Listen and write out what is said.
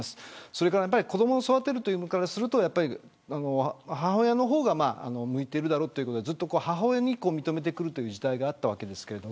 それから子どもを育てるということからすると母親の方が向いているだろうということでずっと母親に認めてくるという実態があったんですけど